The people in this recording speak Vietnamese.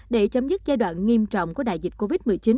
để chấm dứt giai đoạn nghiêm trọng của đại dịch covid một mươi chín